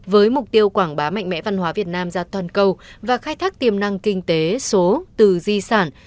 với mục tiêu quảng bá mạnh mẽ văn hóa việt nam ra toàn cầu và khai thác tiềm năng kinh tế số từ di sản